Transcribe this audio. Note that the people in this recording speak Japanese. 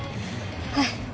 はい。